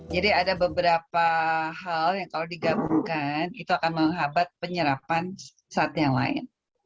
jadi ada beberapa hal yang kalau digabungkan itu akan menghabat penyerapan saat yang lain